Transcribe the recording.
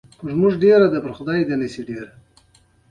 د مالیاتو راټولولو امتیاز یې پر نورو پلوره.